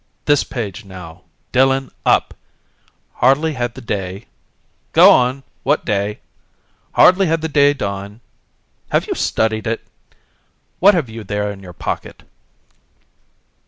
This page? Now, Dillon, up! 'Hardly had the day'.... Go on! What day? 'Hardly had the day dawned'.... Have you studied it? What have you there in your pocket?"